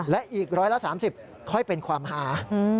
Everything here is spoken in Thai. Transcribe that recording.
และอีกร้อยละ๓๐ค่อยเป็นความหา